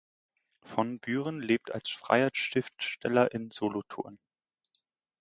Von Büren lebt als freier Schriftsteller in Solothurn.